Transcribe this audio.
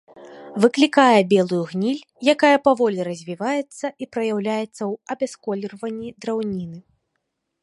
Выклікае белую гніль, якая паволі развіваецца і праяўляецца ў абясколерванні драўніны.